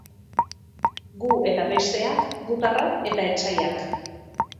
Gu eta besteak, gutarrak eta etsaiak.